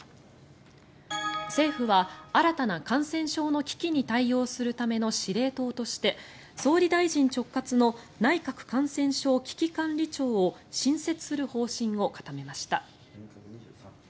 政府は新たな感染症の危機に対応するための司令塔として総理大臣直轄の内閣感染症危機管理庁を新設する方針を固めました。